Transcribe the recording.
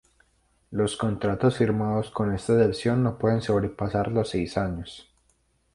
Los contratos firmados con esta excepción no pueden sobrepasar los seis años.